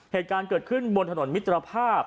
เหตุการณ์เกิดขึ้นบนถนนมิตรภาพ